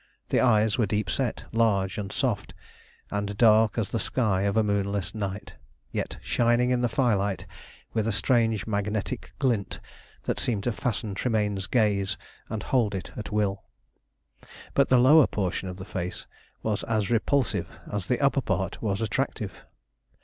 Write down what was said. The eyes were deep set, large and soft, and dark as the sky of a moonless night, yet shining in the firelight with a strange magnetic glint that seemed to fasten Tremayne's gaze and hold it at will. But the lower portion of the face was as repulsive as the upper part was attractive.